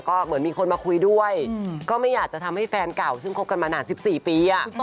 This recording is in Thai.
ก็เหมือนมีคนมาคุยด้วยก็ไม่อยากจะทำให้แฟนเก่าซึ่งคบกันมานาน๑๔ปี